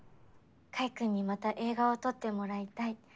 海君にまた映画を撮ってもらいたい。